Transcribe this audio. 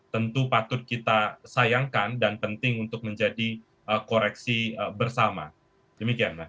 tentu patut kita sayangkan dan penting untuk menjadi koreksi bersama demikian mas